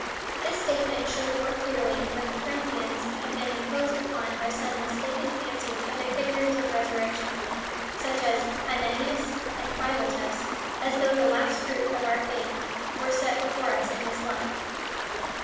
This statement shows more clearly that the Corinthians had been imposed upon by some mistaken fancy of a figurative resurrection, such as Hymen eus and Philetus, as though the last fruit of our faith were set before us in this life.